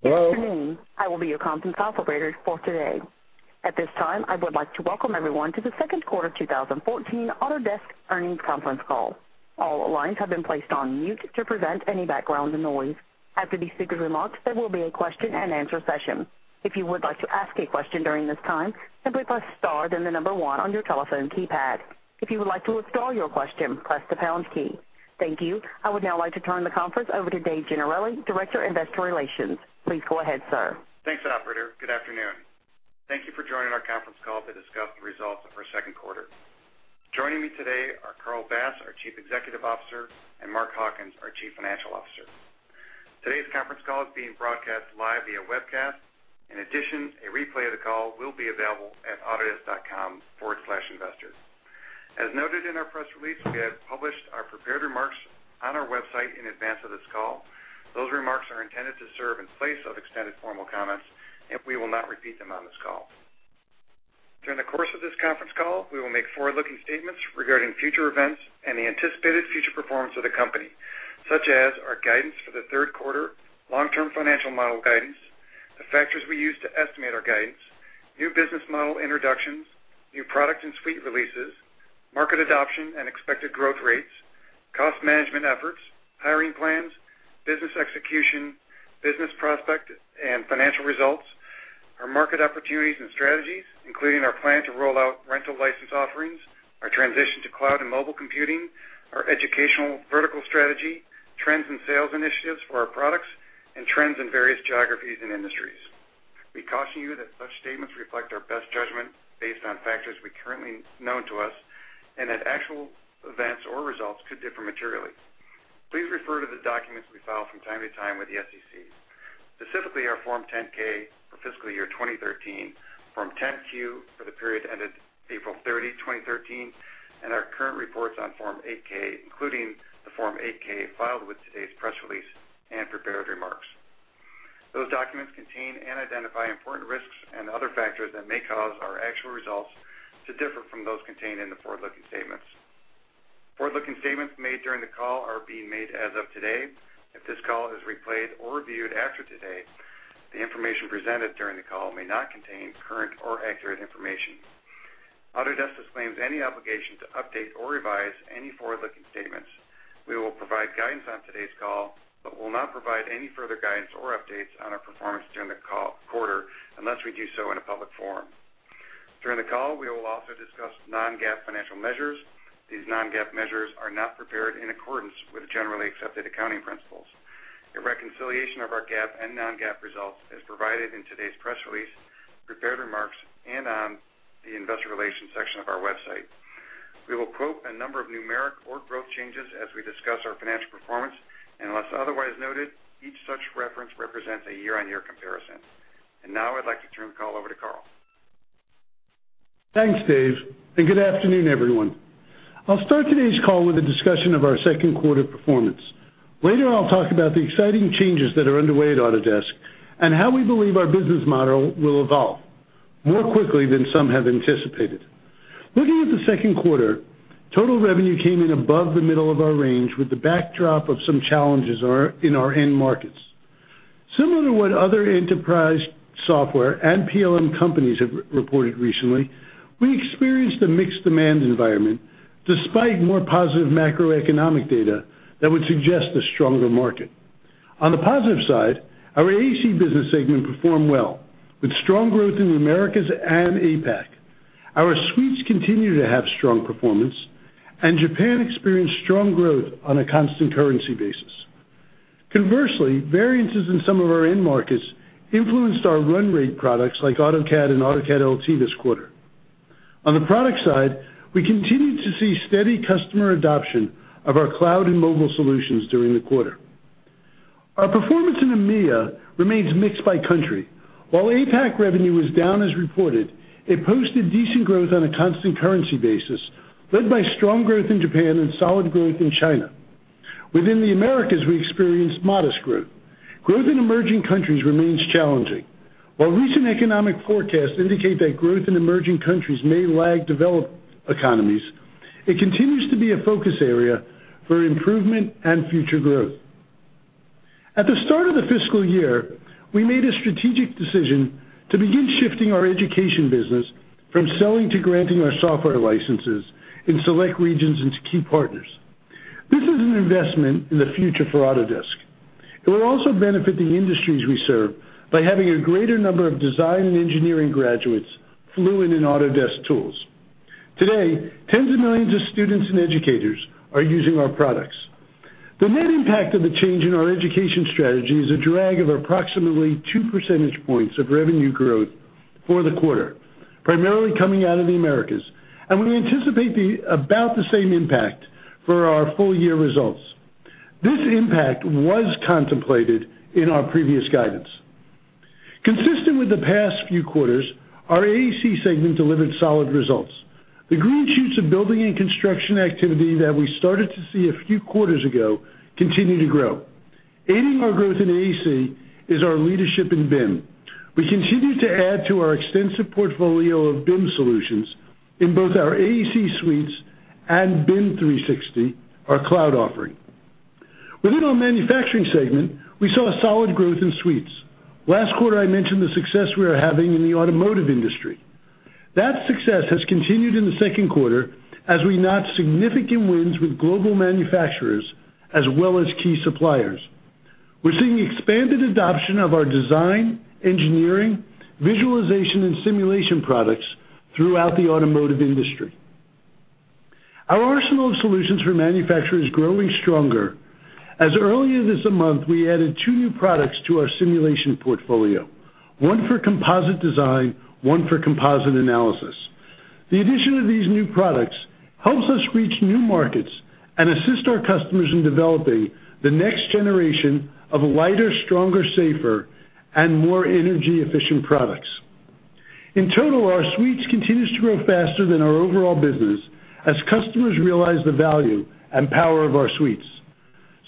Hello. Good afternoon. I will be your conference operator for today. At this time, I would like to welcome everyone to the second quarter 2014 Autodesk earnings conference call. All lines have been placed on mute to prevent any background noise. After the speakers' remarks, there will be a question-and-answer session. If you would like to ask a question during this time, simply press star then the number 1 on your telephone keypad. If you would like to withdraw your question, press the pound key. Thank you. I would now like to turn the conference over to David Gennarelli, Director of Investor Relations. Please go ahead, sir. Thanks, operator. Good afternoon. Thank you for joining our conference call to discuss the results of our second quarter. Joining me today are Carl Bass, our Chief Executive Officer, and Mark Hawkins, our Chief Financial Officer. Today's conference call is being broadcast live via webcast. In addition, a replay of the call will be available at autodesk.com/investor. As noted in our press release, we have published our prepared remarks on our website in advance of this call. Those remarks are intended to serve in place of extended formal comments, and we will not repeat them on this call. During the course of this conference call, we will make forward-looking statements regarding future events and the anticipated future performance of the company, such as our guidance for the third quarter, long-term financial model guidance, the factors we use to estimate our guidance, new business model introductions, new product and suite releases, market adoption and expected growth rates, cost management efforts, hiring plans, business execution, business prospect and financial results, our market opportunities and strategies, including our plan to roll out rental license offerings, our transition to cloud and mobile computing, our educational vertical strategy, trends and sales initiatives for our products, and trends in various geographies and industries. We caution you that such statements reflect our best judgment based on factors currently known to us, that actual events or results could differ materially. Please refer to the documents we file from time to time with the SEC, specifically our Form 10-K for fiscal year 2013, Form 10-Q for the period ended April 30, 2013, our current reports on Form 8-K, including the Form 8-K filed with today's press release and prepared remarks. Those documents contain and identify important risks and other factors that may cause our actual results to differ from those contained in the forward-looking statements. Forward-looking statements made during the call are being made as of today. If this call is replayed or reviewed after today, the information presented during the call may not contain current or accurate information. Autodesk disclaims any obligation to update or revise any forward-looking statements. We will provide guidance on today's call but will not provide any further guidance or updates on our performance during the quarter unless we do so in a public forum. During the call, we will also discuss non-GAAP financial measures. These non-GAAP measures are not prepared in accordance with generally accepted accounting principles. A reconciliation of our GAAP and non-GAAP results is provided in today's press release, prepared remarks, and on the investor relations section of our website. We will quote a number of numeric or growth changes as we discuss our financial performance. Unless otherwise noted, each such reference represents a year-on-year comparison. Now I'd like to turn the call over to Carl. Thanks, Dave, and good afternoon, everyone. I'll start today's call with a discussion of our second quarter performance. Later, I'll talk about the exciting changes that are underway at Autodesk and how we believe our business model will evolve more quickly than some have anticipated. Looking at the second quarter, total revenue came in above the middle of our range with the backdrop of some challenges in our end markets. Similar to what other enterprise software and PLM companies have reported recently, we experienced a mixed demand environment despite more positive macroeconomic data that would suggest a stronger market. On the positive side, our AEC business segment performed well, with strong growth in Americas and APAC. Our suites continue to have strong performance, and Japan experienced strong growth on a constant currency basis. Conversely, variances in some of our end markets influenced our run rate products like AutoCAD and AutoCAD LT this quarter. On the product side, we continued to see steady customer adoption of our cloud and mobile solutions during the quarter. Our performance in EMEA remains mixed by country. While APAC revenue was down as reported, it posted decent growth on a constant currency basis, led by strong growth in Japan and solid growth in China. Within the Americas, we experienced modest growth. Growth in emerging countries remains challenging. While recent economic forecasts indicate that growth in emerging countries may lag developed economies, it continues to be a focus area for improvement and future growth. At the start of the fiscal year, we made a strategic decision to begin shifting our education business from selling to granting our software licenses in select regions and to key partners. This is an investment in the future for Autodesk. It will also benefit the industries we serve by having a greater number of design and engineering graduates fluent in Autodesk tools. Today, tens of millions of students and educators are using our products. The net impact of the change in our education strategy is a drag of approximately two percentage points of revenue growth for the quarter, primarily coming out of the Americas, and we anticipate about the same impact for our full-year results. This impact was contemplated in our previous guidance. Consistent with the past few quarters, our AEC segment delivered solid results. The green shoots of building and construction activity that we started to see a few quarters ago continue to grow. Aiding our growth in AEC is our leadership in BIM. We continue to add to our extensive portfolio of BIM solutions in both our AEC suites and BIM 360, our cloud offering. Within our manufacturing segment, we saw solid growth in suites. Last quarter, I mentioned the success we are having in the automotive industry. That success has continued in the second quarter as we notched significant wins with global manufacturers, as well as key suppliers. We're seeing expanded adoption of our design, engineering, visualization, and simulation products throughout the automotive industry. Our arsenal of solutions for manufacturers is growing stronger as earlier this month, we added two new products to our simulation portfolio, one for composite design, one for composite analysis. The addition of these new products helps us reach new markets and assist our customers in developing the next generation of lighter, stronger, safer, and more energy-efficient products. In total, our suites continues to grow faster than our overall business as customers realize the value and power of our suites.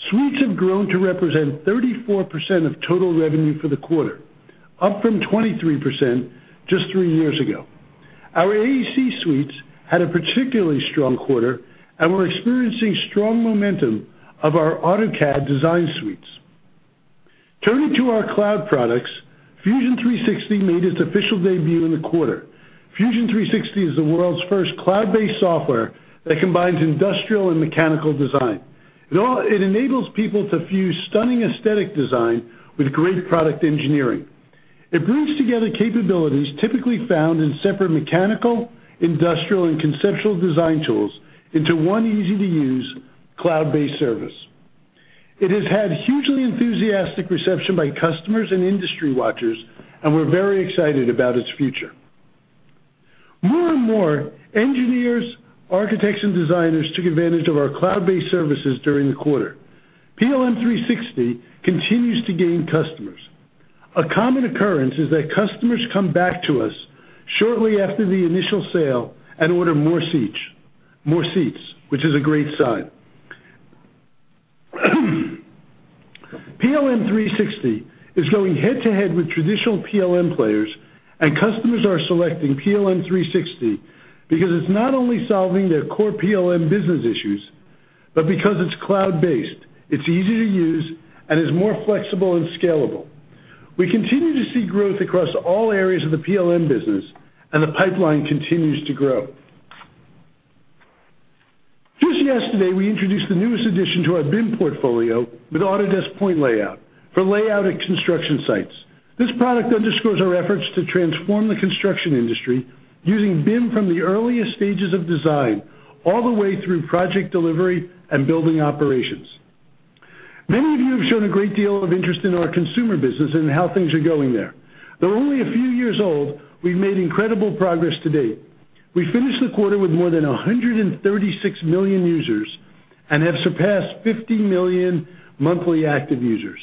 Suites have grown to represent 34% of total revenue for the quarter, up from 23% just three years ago. Our AEC suites had a particularly strong quarter, and we're experiencing strong momentum of our AutoCAD Design Suites. Turning to our cloud products, Fusion 360 made its official debut in the quarter. Fusion 360 is the world's first cloud-based software that combines industrial and mechanical design. It enables people to fuse stunning aesthetic design with great product engineering. It brings together capabilities typically found in separate mechanical, industrial, and conceptual design tools into one easy-to-use cloud-based service. It has had hugely enthusiastic reception by customers and industry watchers, and we're very excited about its future. More and more engineers, architects, and designers took advantage of our cloud-based services during the quarter. PLM 360 continues to gain customers. A common occurrence is that customers come back to us shortly after the initial sale and order more seats, which is a great sign. PLM 360 is going head-to-head with traditional PLM players, and customers are selecting PLM 360 because it's not only solving their core PLM business issues, but because it's cloud-based. It's easy to use and is more flexible and scalable. We continue to see growth across all areas of the PLM business, and the pipeline continues to grow. Just yesterday, we introduced the newest addition to our BIM portfolio with Autodesk Point Layout for layout at construction sites. This product underscores our efforts to transform the construction industry using BIM from the earliest stages of design, all the way through project delivery and building operations. Many of you have shown a great deal of interest in our consumer business and how things are going there. Though only a few years old, we've made incredible progress to date. We finished the quarter with more than 136 million users and have surpassed 50 million monthly active users.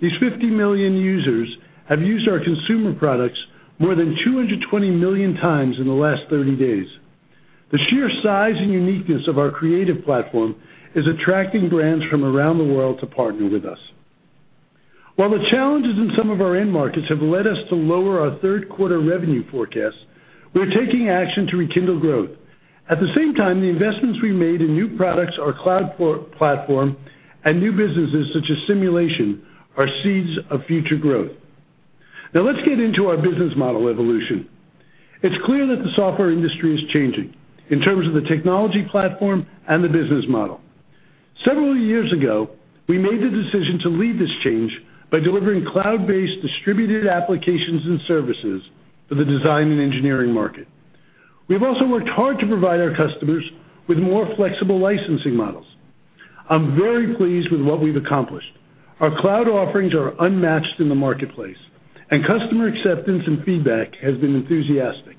These 50 million users have used our consumer products more than 220 million times in the last 30 days. The sheer size and uniqueness of our creative platform is attracting brands from around the world to partner with us. While the challenges in some of our end markets have led us to lower our third-quarter revenue forecast, we're taking action to rekindle growth. At the same time, the investments we made in new products, our cloud platform, and new businesses such as simulation are seeds of future growth. Now let's get into our business model evolution. It's clear that the software industry is changing in terms of the technology platform and the business model. Several years ago, we made the decision to lead this change by delivering cloud-based distributed applications and services for the design and engineering market. We've also worked hard to provide our customers with more flexible licensing models. I'm very pleased with what we've accomplished. Our cloud offerings are unmatched in the marketplace, and customer acceptance and feedback has been enthusiastic.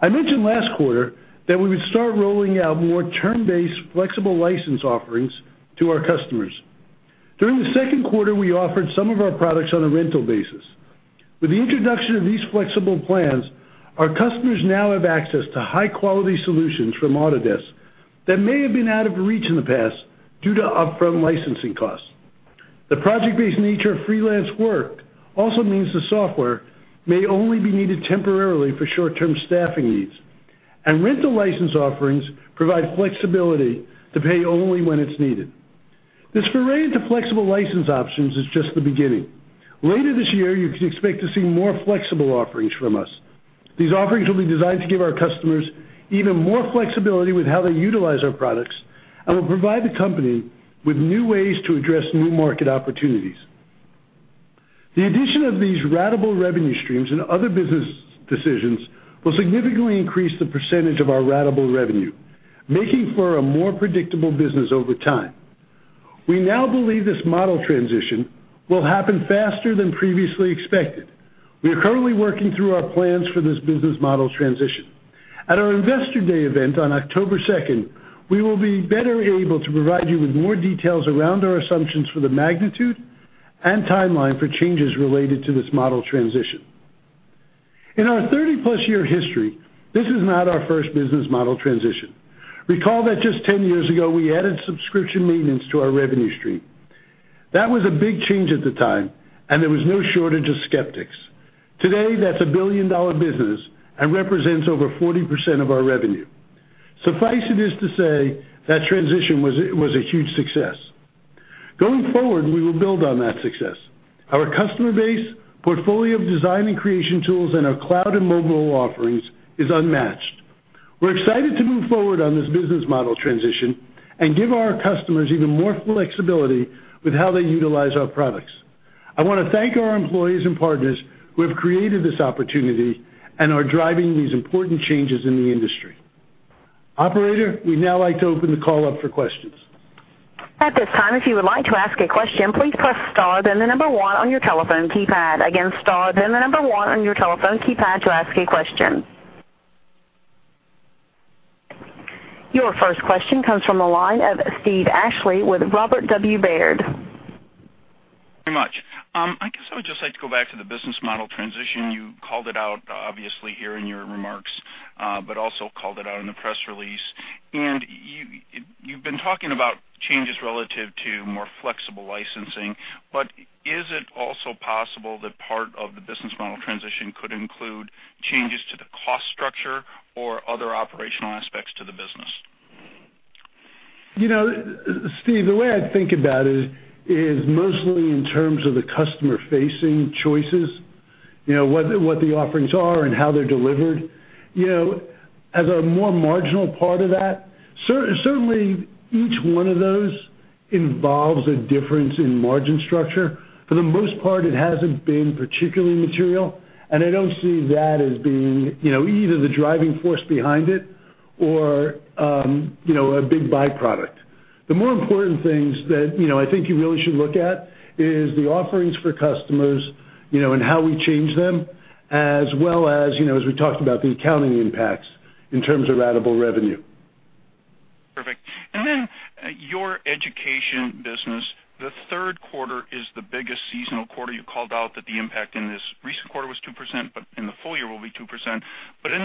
I mentioned last quarter that we would start rolling out more term-based flexible license offerings to our customers. During the second quarter, we offered some of our products on a rental basis. With the introduction of these flexible plans, our customers now have access to high-quality solutions from Autodesk that may have been out of reach in the past due to upfront licensing costs. The project-based nature of freelance work also means the software may only be needed temporarily for short-term staffing needs. Rental license offerings provide flexibility to pay only when it's needed. This foray into flexible license options is just the beginning. Later this year, you can expect to see more flexible offerings from us. These offerings will be designed to give our customers even more flexibility with how they utilize our products and will provide the company with new ways to address new market opportunities. The addition of these ratable revenue streams and other business decisions will significantly increase the percentage of our ratable revenue, making for a more predictable business over time. We now believe this model transition will happen faster than previously expected. We are currently working through our plans for this business model transition. At our Investor Day event on October second, we will be better able to provide you with more details around our assumptions for the magnitude and timeline for changes related to this model transition. In our 30-plus year history, this is not our first business model transition. Recall that just 10 years ago, we added subscription maintenance to our revenue stream. That was a big change at the time, and there was no shortage of skeptics. Today, that's a billion-dollar business and represents over 40% of our revenue. Suffice it is to say that transition was a huge success. Going forward, we will build on that success. Our customer base, portfolio of design and creation tools, and our cloud and mobile offerings is unmatched. We're excited to move forward on this business model transition and give our customers even more flexibility with how they utilize our products. I want to thank our employees and partners who have created this opportunity and are driving these important changes in the industry. Operator, we'd now like to open the call up for questions. At this time, if you would like to ask a question, please press star, then the number 1 on your telephone keypad. Again, star, then the number 1 on your telephone keypad to ask a question. Your first question comes from the line of Steve Ashley with Robert W. Baird. Very much. I guess I would just like to go back to the business model transition. You called it out, obviously, here in your remarks, but also called it out in the press release. You've been talking about changes relative to more flexible licensing, but is it also possible that part of the business model transition could include changes to the cost structure or other operational aspects to the business? Steve, the way I think about it is mostly in terms of the customer-facing choices, what the offerings are and how they're delivered. As a more marginal part of that, certainly, each one of those involves a difference in margin structure. For the most part, it hasn't been particularly material, and I don't see that as being either the driving force behind it or a big byproduct. The more important things that I think you really should look at is the offerings for customers and how we change them, as well as we talked about, the accounting impacts in terms of ratable revenue. Perfect. Your education business, the third quarter is the biggest seasonal quarter. You called out that the impact in this recent quarter was 2%, but in the full year will be 2%. In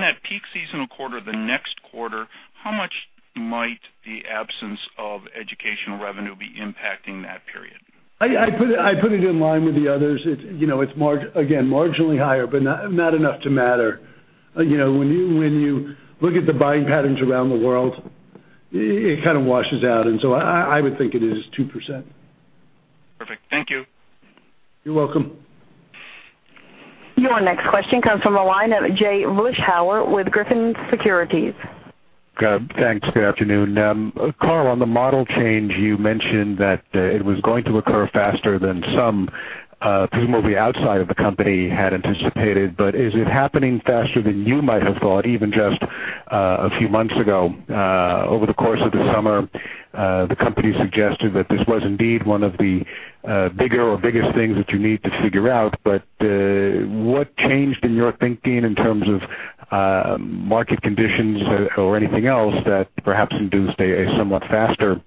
that peak seasonal quarter, the next quarter, how much might the absence of educational revenue be impacting that period? I'd put it in line with the others. It's, again, marginally higher, but not enough to matter. When you look at the buying patterns around the world, it kind of washes out. I would think it is 2%. Perfect. Thank you. You're welcome. Your next question comes from the line of Jay Vleeschhouwer with Griffin Securities. Thanks. Good afternoon. Carl, on the model change, you mentioned that it was going to occur faster than some people maybe outside of the company had anticipated. Is it happening faster than you might have thought, even just a few months ago? Over the course of the summer, the company suggested that this was indeed one of the bigger or biggest things that you need to figure out. What changed in your thinking in terms of market conditions or anything else that perhaps induced a somewhat faster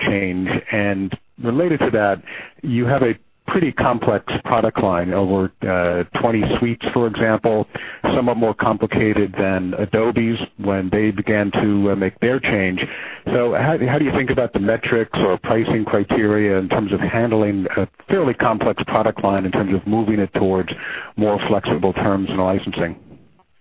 change? Related to that, you have a pretty complex product line, over 20 suites, for example, somewhat more complicated than Adobe's when they began to make their change. How do you think about the metrics or pricing criteria in terms of handling a fairly complex product line in terms of moving it towards more flexible terms and licensing?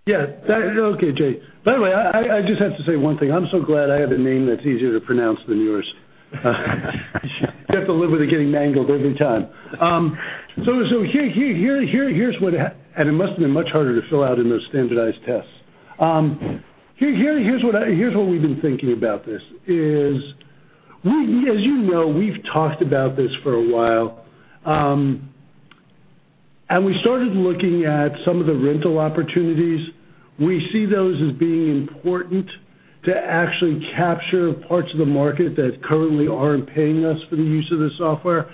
Yeah. Okay, Jay. By the way, I just have to say one thing. I'm so glad I have a name that's easier to pronounce than yours. You have to live with it getting mangled every time. It must have been much harder to fill out in those standardized tests. Here's what we've been thinking about this is, as you know, we've talked about this for a while. We started looking at some of the rental opportunities. We see those as being important to actually capture parts of the market that currently aren't paying us for the use of the software.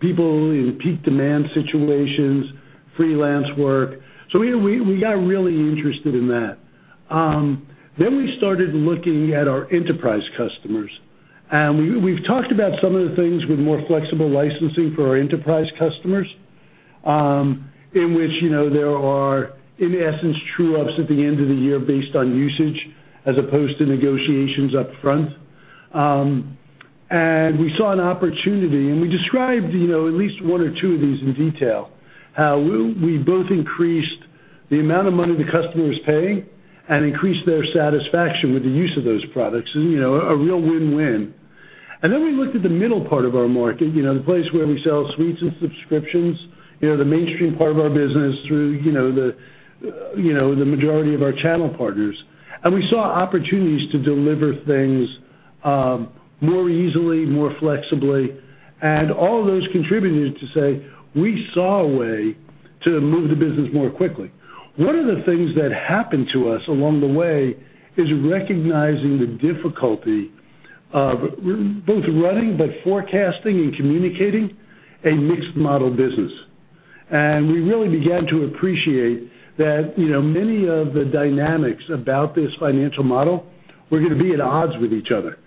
People in peak demand situations, freelance work. We got really interested in that. We started looking at our enterprise customers. We've talked about some of the things with more flexible licensing for our enterprise customers, in which there are, in essence, true ups at the end of the year based on usage as opposed to negotiations up front. We saw an opportunity, and we described at least one or two of these in detail, how we both increased the amount of money the customer is paying and increased their satisfaction with the use of those products, and a real win-win. We looked at the middle part of our market, the place where we sell suites and subscriptions, the mainstream part of our business through the majority of our channel partners. We saw opportunities to deliver things more easily, more flexibly. All of those contributed to say, we saw a way to move the business more quickly. One of the things that happened to us along the way is recognizing the difficulty of both running, but forecasting and communicating a mixed model business. We really began to appreciate that many of the dynamics about this financial model were going to be at odds with each other.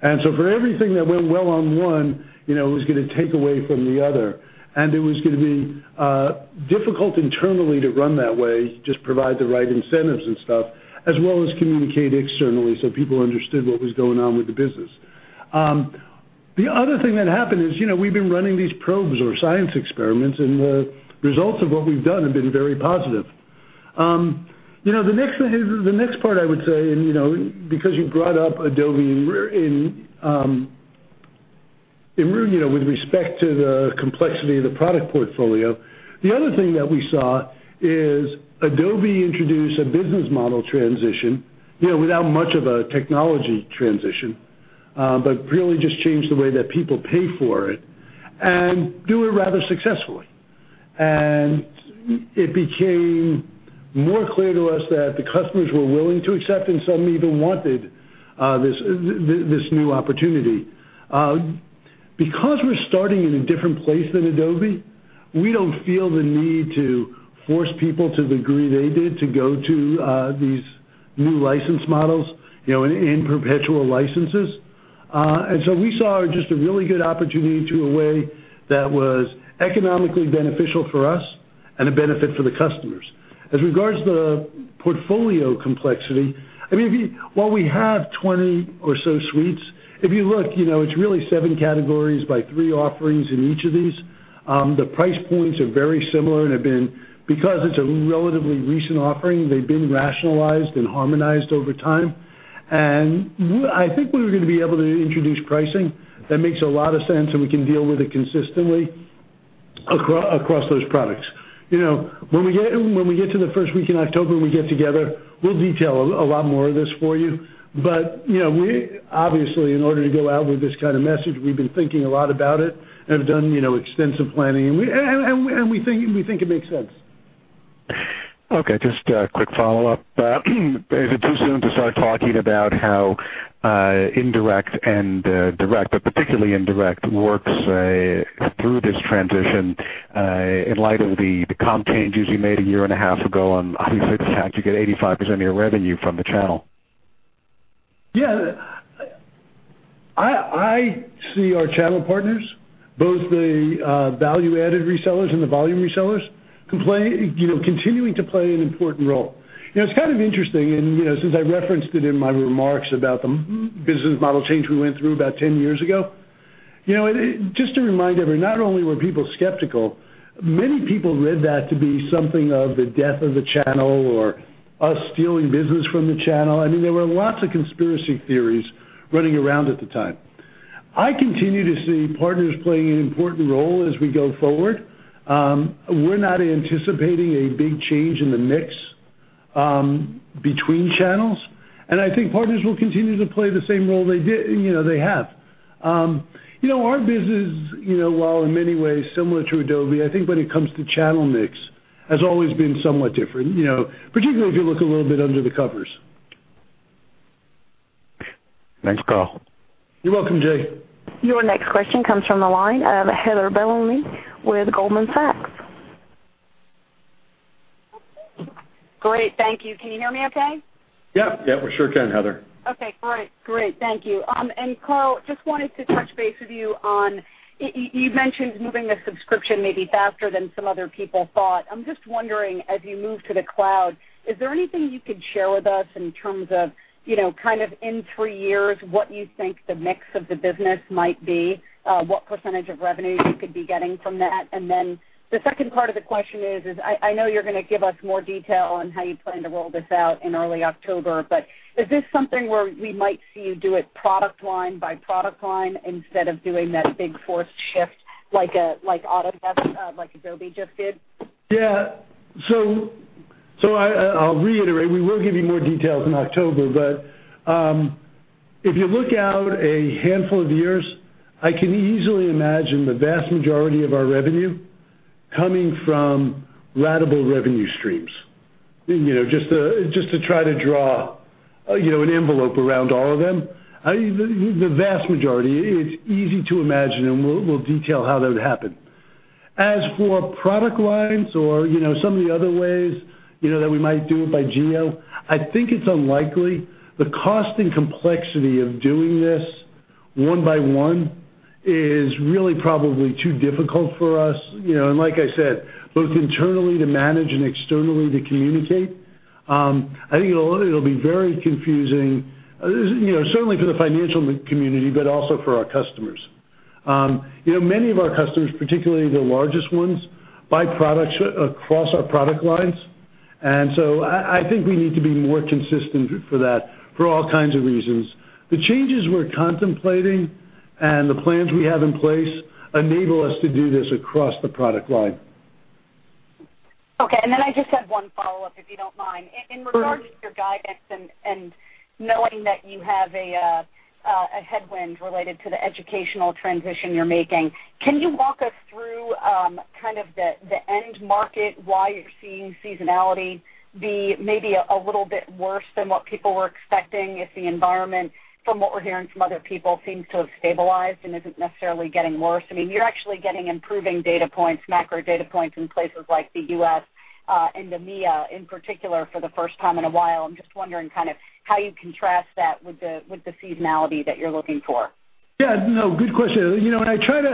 For everything that went well on one, it was going to take away from the other, and it was going to be difficult internally to run that way, just provide the right incentives and stuff, as well as communicate externally so people understood what was going on with the business. The other thing that happened is, we've been running these probes or science experiments, and the results of what we've done have been very positive. Because you brought up Adobe with respect to the complexity of the product portfolio, the other thing that we saw is Adobe introduced a business model transition, without much of a technology transition, but really just changed the way that people pay for it and do it rather successfully. It became more clear to us that the customers were willing to accept and some even wanted this new opportunity. Because we're starting in a different place than Adobe, we don't feel the need to force people to the degree they did to go to these new license models, in perpetual licenses. We saw just a really good opportunity to a way that was economically beneficial for us and a benefit for the customers. As regards to the portfolio complexity, while we have 20 or so suites, if you look, it's really seven categories by three offerings in each of these. The price points are very similar and have been. Because it's a relatively recent offering, they've been rationalized and harmonized over time. I think we're going to be able to introduce pricing that makes a lot of sense, and we can deal with it consistently across those products. When we get to the first week in October, we get together, we'll detail a lot more of this for you. Obviously, in order to go out with this kind of message, we've been thinking a lot about it and have done extensive planning. We think it makes sense. Okay, just a quick follow-up. Is it too soon to start talking about how indirect and direct, but particularly indirect, works through this transition in light of the comp changes you made a year and a half ago, and obviously the fact you get 85% of your revenue from the channel? Yeah. I see our channel partners, both the value-added resellers and the volume resellers, continuing to play an important role. It's kind of interesting, since I referenced it in my remarks about the business model change we went through about 10 years ago. Just a reminder, not only were people skeptical, many people read that to be something of the death of the channel or us stealing business from the channel. There were lots of conspiracy theories running around at the time. I continue to see partners playing an important role as we go forward. We're not anticipating a big change in the mix between channels, and I think partners will continue to play the same role they have. Our business, while in many ways similar to Adobe, I think when it comes to channel mix has always been somewhat different, particularly if you look a little bit under the covers. Thanks, Carl. You're welcome, Jay. Your next question comes from the line of Heather Bellini with Goldman Sachs. Great. Thank you. Can you hear me okay? Yeah, we sure can, Heather. Okay, great. Thank you. Carl, just wanted to touch base with you on, you mentioned moving to subscription may be faster than some other people thought. I'm just wondering, as you move to the cloud, is there anything you could share with us in terms of, kind of in three years, what you think the mix of the business might be, what percentage of revenue you could be getting from that? Then the second part of the question is, I know you're going to give us more detail on how you plan to roll this out in early October, is this something where we might see you do it product line by product line instead of doing that big forced shift, like Autodesk, like Adobe just did? Yeah. I'll reiterate, we will give you more details in October. If you look out a handful of years, I can easily imagine the vast majority of our revenue coming from ratable revenue streams. Just to try to draw an envelope around all of them. The vast majority, it's easy to imagine, and we'll detail how that would happen. As for product lines or some of the other ways that we might do it by geo, I think it's unlikely. The cost and complexity of doing this one by one is really probably too difficult for us. Like I said, both internally to manage and externally to communicate, I think it'll be very confusing, certainly for the financial community, but also for our customers. Many of our customers, particularly the largest ones, buy products across our product lines. I think we need to be more consistent for that for all kinds of reasons. The changes we're contemplating and the plans we have in place enable us to do this across the product line. Okay. I just had one follow-up, if you don't mind. In regards to your guidance and knowing that you have a headwind related to the educational transition you're making, can you walk us through kind of the end market, why you're seeing seasonality be maybe a little bit worse than what people were expecting if the environment, from what we're hearing from other people, seems to have stabilized and isn't necessarily getting worse? You're actually getting improving data points, macro data points in places like the U.S. and EMEA, in particular for the first time in a while. I'm just wondering kind of how you contrast that with the seasonality that you're looking for. Yeah, no, good question, Heather.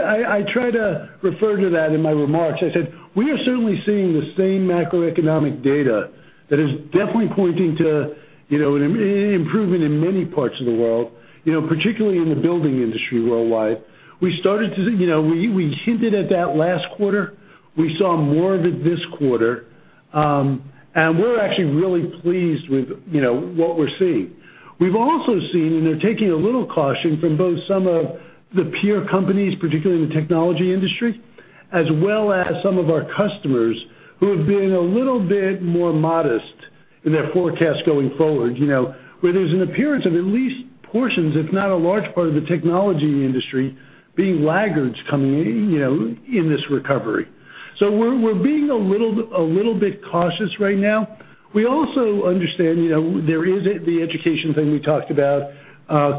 I try to refer to that in my remarks. I said we are certainly seeing the same macroeconomic data that is definitely pointing to an improvement in many parts of the world, particularly in the building industry worldwide. We hinted at that last quarter. We saw more of it this quarter. We're actually really pleased with what we're seeing. We've also seen, and are taking a little caution from both some of the peer companies, particularly in the technology industry, as well as some of our customers who have been a little bit more modest in their forecast going forward where there's an appearance of at least portions, if not a large part of the technology industry being laggards coming in this recovery. We're being a little bit cautious right now. We also understand there is the education thing we talked about.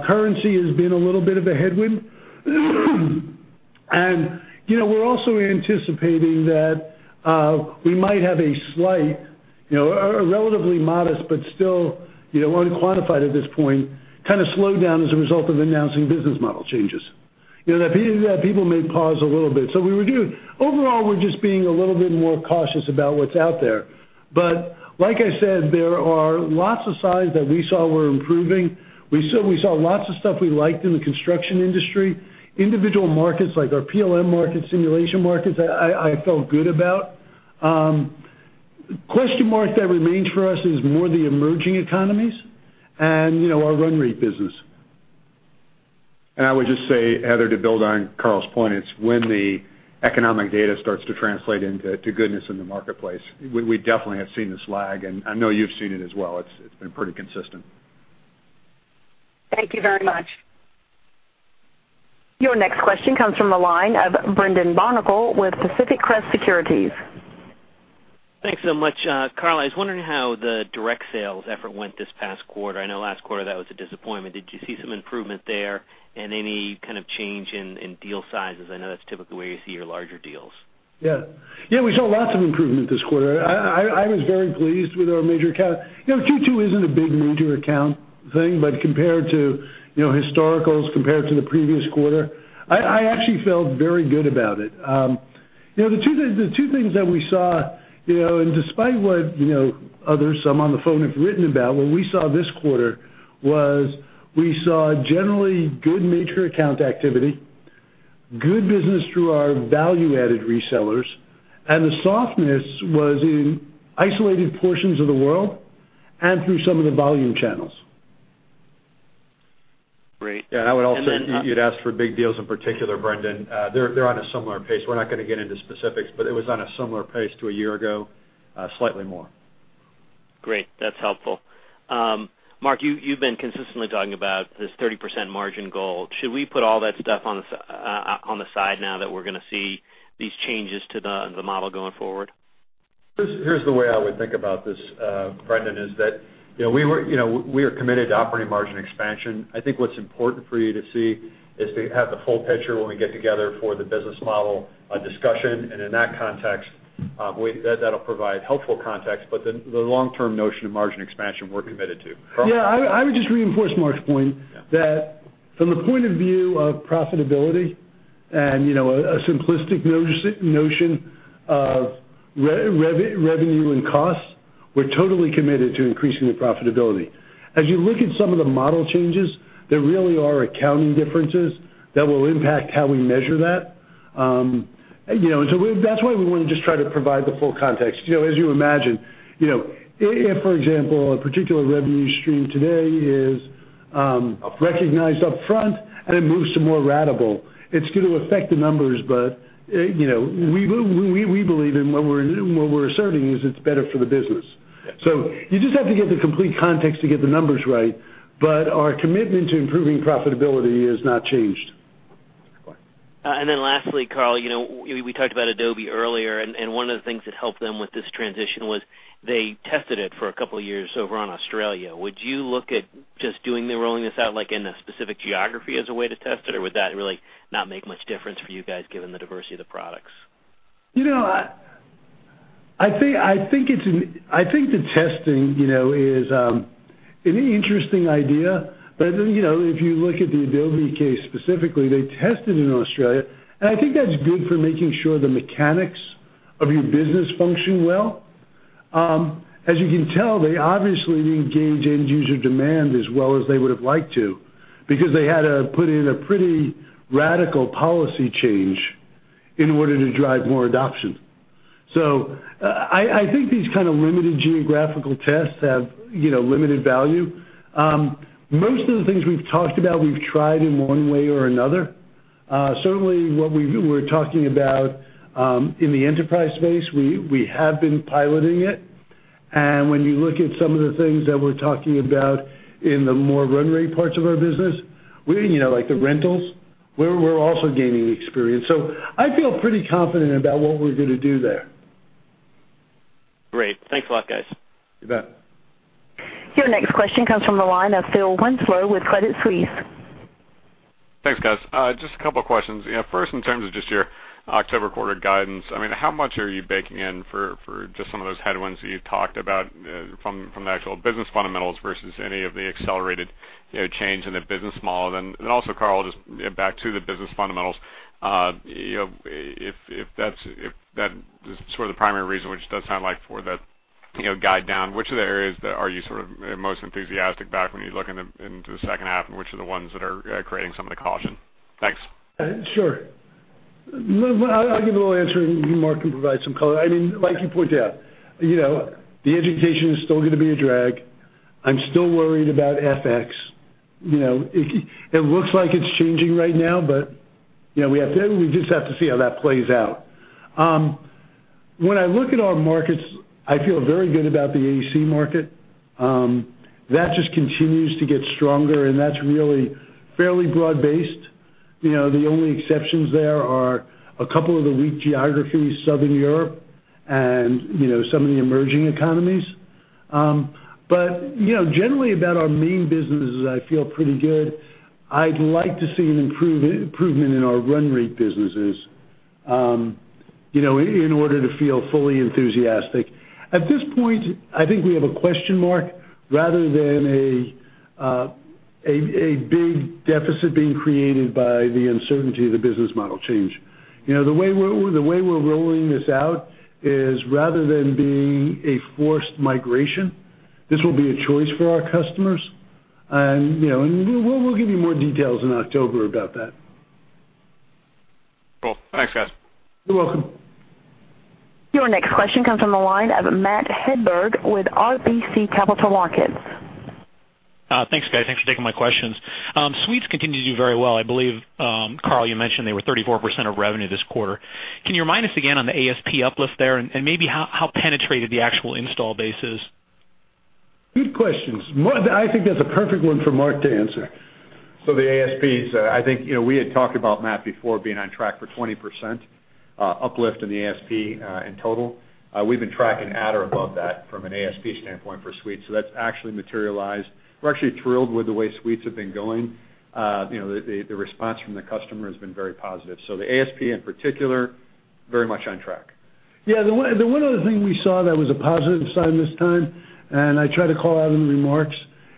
Currency has been a little bit of a headwind. We're also anticipating that we might have a slight, a relatively modest, but still unquantified at this point, kind of slowdown as a result of announcing business model changes. That people may pause a little bit. Overall, we're just being a little bit more cautious about what's out there. Like I said, there are lots of signs that we saw were improving. We saw lots of stuff we liked in the construction industry. Individual markets like our PLM market, simulation markets, I felt good about. Question mark that remains for us is more the emerging economies and our run rate business. I would just say, Heather, to build on Carl's point, it's when the economic data starts to translate into goodness in the marketplace. We definitely have seen this lag, and I know you've seen it as well. It's been pretty consistent. Thank you very much. Your next question comes from the line of Brendan Barnicle with Pacific Crest Securities. Thanks so much. Carl, I was wondering how the direct sales effort went this past quarter. I know last quarter that was a disappointment. Did you see some improvement there, and any kind of change in deal sizes? I know that's typically where you see your larger deals. Yeah. We saw lots of improvement this quarter. I was very pleased with our major account. Q2 isn't a big major account thing, but compared to historicals, compared to the previous quarter, I actually felt very good about it. The two things that we saw, and despite what others, some on the phone have written about, what we saw this quarter was we saw generally good major account activity, good business through our value-added resellers, and the softness was in isolated portions of the world and through some of the volume channels. Great. Yeah, I would also. You'd asked for big deals in particular, Brendan. They're on a similar pace. We're not going to get into specifics, but it was on a similar pace to a year ago, slightly more. Great. That's helpful. Mark, you've been consistently talking about this 30% margin goal. Should we put all that stuff on the side now that we're going to see these changes to the model going forward? Here's the way I would think about this, Brendan, is that we are committed to operating margin expansion. I think what's important for you to see is to have the full picture when we get together for the business model discussion. In that context, that'll provide helpful context. The long-term notion of margin expansion, we're committed to. Carl? Yeah, I would just reinforce Mark's point. Yeah That from the point of view of profitability and a simplistic notion of revenue and costs, we're totally committed to increasing the profitability. As you look at some of the model changes, there really are accounting differences that will impact how we measure that. That's why we want to just try to provide the full context. As you imagine, if, for example, a particular revenue stream today is recognized upfront, and it moves to more ratable, it's going to affect the numbers. We believe, and what we're asserting is it's better for the business. Yes. You just have to get the complete context to get the numbers right. Our commitment to improving profitability has not changed. Go on. Carl, we talked about Adobe earlier, and one of the things that helped them with this transition was they tested it for a couple of years over on Australia. Would you look at just doing the rolling this out, like in a specific geography as a way to test it? Or would that really not make much difference for you guys given the diversity of the products? I think the testing is an interesting idea. If you look at the Adobe case specifically, they tested in Australia, and I think that's good for making sure the mechanics of your business function well. As you can tell, they obviously didn't gauge end-user demand as well as they would've liked to, because they had to put in a pretty radical policy change in order to drive more adoption. I think these kind of limited geographical tests have limited value. Most of the things we've talked about, we've tried in one way or another. Certainly what we're talking about in the enterprise space, we have been piloting it. When you look at some of the things that we're talking about in the more run rate parts of our business, like the rentals, we're also gaining experience. I feel pretty confident about what we're going to do there. Great. Thanks a lot, guys. You bet. Your next question comes from the line of Philip Winslow with Credit Suisse. Thanks, guys. Just a couple of questions. First, in terms of just your October quarter guidance, how much are you baking in for just some of those headwinds that you've talked about from the actual business fundamentals versus any of the accelerated change in the business model? Also, Carl, just back to the business fundamentals If that's the primary reason, which it does sound like for that guide down, which of the areas are you most enthusiastic about when you look into the second half, and which are the ones that are creating some of the caution? Thanks. Sure. I'll give a little answer, Mark can provide some color. Like you point out, the education is still going to be a drag. I'm still worried about FX. It looks like it's changing right now, we just have to see how that plays out. When I look at our markets, I feel very good about the AEC market. That just continues to get stronger, and that's really fairly broad-based. The only exceptions there are a couple of the weak geographies, Southern Europe and some of the emerging economies. Generally, about our main businesses, I feel pretty good. I'd like to see an improvement in our run rate businesses in order to feel fully enthusiastic. At this point, I think we have a question mark rather than a big deficit being created by the uncertainty of the business model change. The way we're rolling this out is rather than being a forced migration, this will be a choice for our customers. We'll give you more details in October about that. Cool. Thanks, guys. You're welcome. Your next question comes from the line of Matthew Hedberg with RBC Capital Markets. Thanks, guys. Thanks for taking my questions. Suites continue to do very well. I believe, Carl, you mentioned they were 34% of revenue this quarter. Can you remind us again on the ASP uplift there, and maybe how penetrated the actual install base is? Good questions. I think that's a perfect one for Mark to answer. The ASPs, I think we had talked about Matt before being on track for 20% uplift in the ASP in total. We've been tracking at or above that from an ASP standpoint for Suites, so that's actually materialized. We're actually thrilled with the way Suites have been going. The response from the customer has been very positive. The ASP, in particular, very much on track. Yeah. The one other thing we saw that was a positive sign this time, and I tried to call out in the remarks,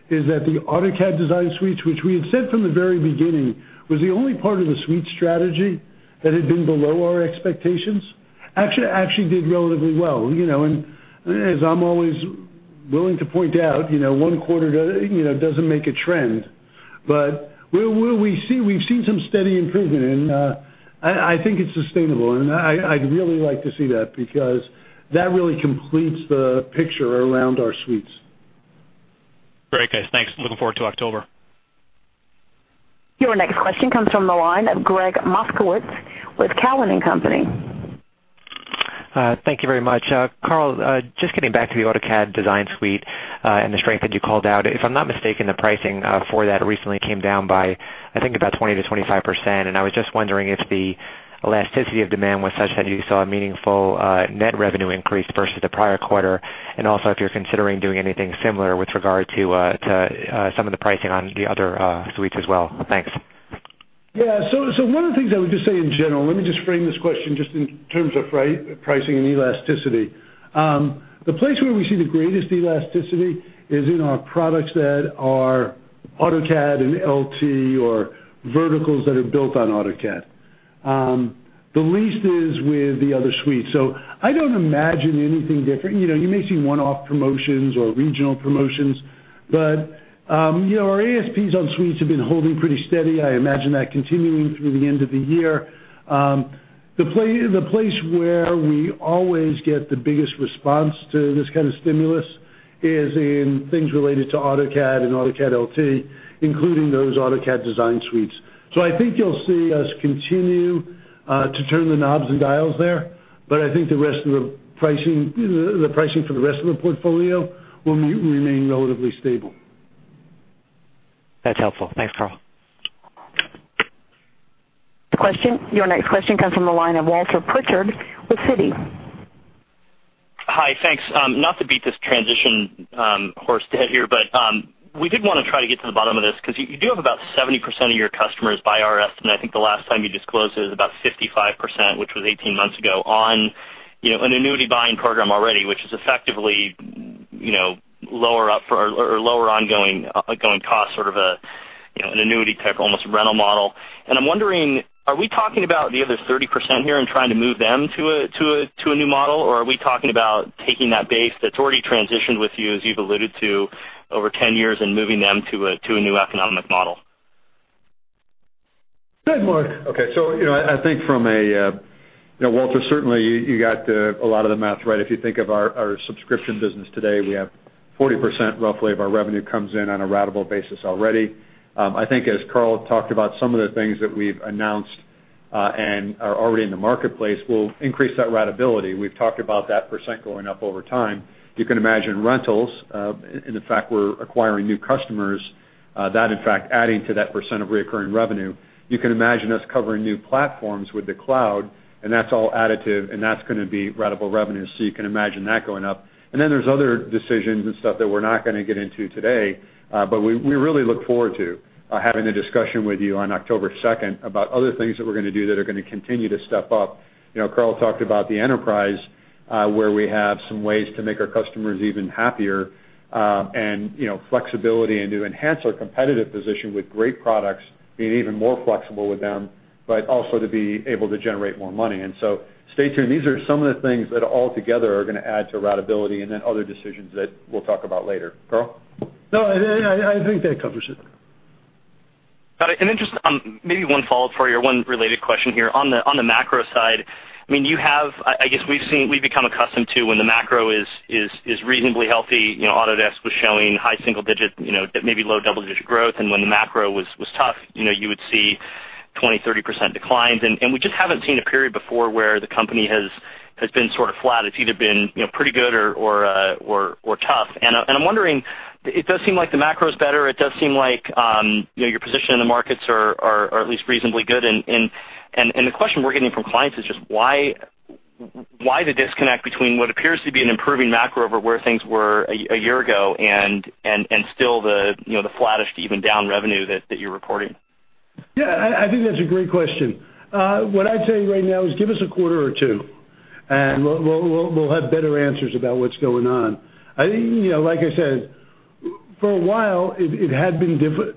is that the AutoCAD Design Suite, which we had said from the very beginning was the only part of the Suite strategy that had been below our expectations, actually did relatively well. As I'm always willing to point out, one quarter doesn't make a trend. We've seen some steady improvement, and I think it's sustainable, and I'd really like to see that because that really completes the picture around our Suites. Great, guys. Thanks. Looking forward to October. Your next question comes from the line of Gregg Moskowitz with Cowen and Company. Thank you very much. Carl, just getting back to the AutoCAD Design Suite and the strength that you called out. If I'm not mistaken, the pricing for that recently came down by, I think, about 20%-25%. I was just wondering if the elasticity of demand was such that you saw a meaningful net revenue increase versus the prior quarter. Also, if you're considering doing anything similar with regard to some of the pricing on the other Suites as well. Thanks. Yeah. One of the things I would just say in general, let me just frame this question just in terms of pricing and elasticity. The place where we see the greatest elasticity is in our products that are AutoCAD and LT or verticals that are built on AutoCAD. The least is with the other Suites. I don't imagine anything different. You may see one-off promotions or regional promotions, but our ASPs on Suites have been holding pretty steady. I imagine that continuing through the end of the year. The place where we always get the biggest response to this kind of stimulus is in things related to AutoCAD and AutoCAD LT, including those AutoCAD Design Suite. I think you'll see us continue to turn the knobs and dials there, but I think the pricing for the rest of the portfolio will remain relatively stable. That's helpful. Thanks, Carl. Your next question comes from the line of Walter Pritchard with Citi. Hi. Thanks. Not to beat this transition horse to death here, we did want to try to get to the bottom of this because you do have about 70% of your customers, by our estimate, I think the last time you disclosed it was about 55%, which was 18 months ago, on an annuity buying program already, which is effectively lower ongoing cost, sort of an annuity type, almost rental model. I'm wondering, are we talking about the other 30% here and trying to move them to a new model? Or are we talking about taking that base that's already transitioned with you, as you've alluded to, over 10 years and moving them to a new economic model? Go ahead, Mark. Walter, certainly, you got a lot of the math right. If you think of our subscription business today, we have 40%, roughly, of our revenue comes in on a ratable basis already. I think as Carl talked about, some of the things that we've announced and are already in the marketplace will increase that ratability. We've talked about that percent going up over time. You can imagine rentals, and the fact we're acquiring new customers, that in fact adding to that percent of reoccurring revenue. You can imagine us covering new platforms with the cloud, and that's all additive, and that's going to be ratable revenue. You can imagine that going up. There's other decisions and stuff that we're not going to get into today. We really look forward to having a discussion with you on October 2nd about other things that we're going to do that are going to continue to step up. Carl talked about the enterprise Where we have some ways to make our customers even happier, and flexibility and to enhance our competitive position with great products, being even more flexible with them, but also to be able to generate more money. Stay tuned. These are some of the things that altogether are going to add to ratability and then other decisions that we'll talk about later. Carl? No, I think that covers it. Got it. Maybe one follow-up for you or one related question here. On the macro side, I guess we've become accustomed to when the macro is reasonably healthy, Autodesk was showing high single digit, maybe low double-digit growth. When the macro was tough, you would see 20, 30% declines. We just haven't seen a period before where the company has been sort of flat. It's either been pretty good or tough. I'm wondering, it does seem like the macro's better. It does seem like your position in the markets are at least reasonably good. The question we're getting from clients is just why the disconnect between what appears to be an improving macro over where things were a year ago and still the flattish to even down revenue that you're reporting? Yeah. I think that's a great question. What I'd say right now is give us a quarter or two, and we'll have better answers about what's going on. Like I said, for a while, it had been different.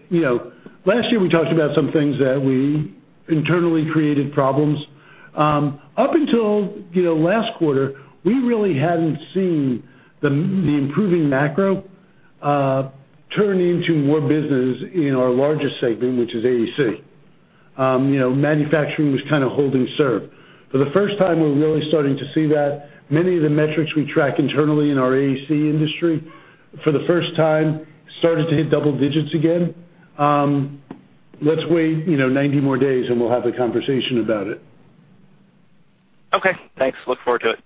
Last year, we talked about some things that we internally created problems. Up until last quarter, we really hadn't seen the improving macro turn into more business in our largest segment, which is AEC. Manufacturing was kind of hold and serve. For the first time, we're really starting to see that. Many of the metrics we track internally in our AEC industry, for the first time, started to hit double digits again. Let's wait 90 more days, and we'll have a conversation about it. Okay, thanks. Look forward to it.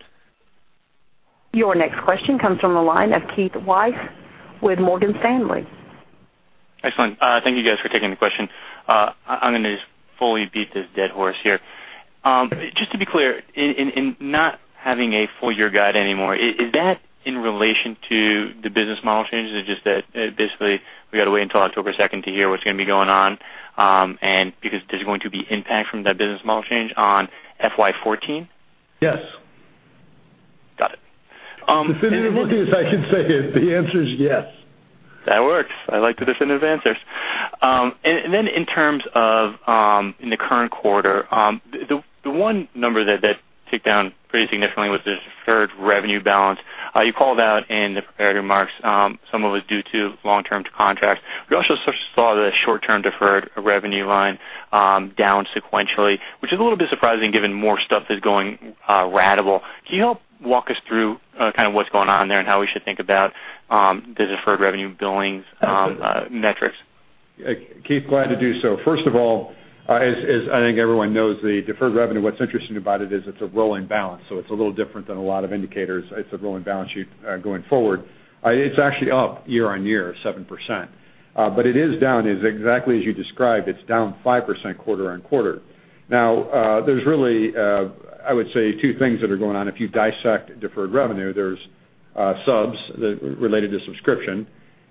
Your next question comes from the line of Keith Weiss with Morgan Stanley. Excellent. Thank you guys for taking the question. I'm going to just fully beat this dead horse here. Just to be clear, in not having a full-year guide anymore, is that in relation to the business model change? Is it just that basically we got to wait until October 2nd to hear what's going to be going on, and because there's going to be impact from that business model change on FY 2014? Yes. Got it. It's as definitive as I can say it. The answer is yes. That works. I like definitive answers. Then in terms of in the current quarter, the one number that ticked down pretty significantly was the deferred revenue balance. You called out in the prepared remarks some of it was due to long-term contracts. We also saw the short-term deferred revenue line down sequentially, which is a little bit surprising given more stuff is going ratable. Can you help walk us through kind of what's going on there and how we should think about the deferred revenue billings metrics? Keith, glad to do so. First of all, as I think everyone knows, the deferred revenue, what's interesting about it is it's a rolling balance, so it's a little different than a lot of indicators. It's a rolling balance sheet going forward. It's actually up year-on-year 7%. It is down, exactly as you described, it's down 5% quarter-on-quarter. There's really, I would say, two things that are going on. If you dissect deferred revenue, there's subs, related to subscription,